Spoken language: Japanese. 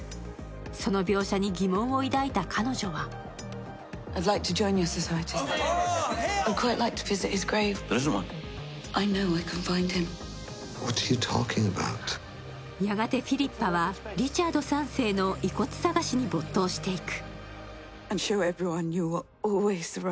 その描写に疑問を抱いた彼女はやがてフィリッパはリチャード３世の遺骨探しに没頭していく。